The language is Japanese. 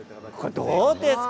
どうですか？